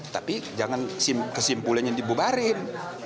tapi jangan kesimpulannya dibubarin